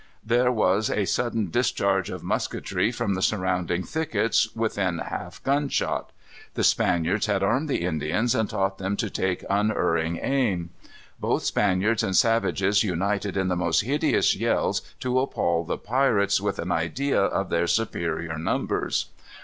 There was a sudden discharge of musketry from the surrounding thickets within half gun shot. The Spaniards had armed the Indians and taught them to take unerring aim. Both Spaniards and savages united in the most hideous yells to appal the pirates with an idea of their superior numbers.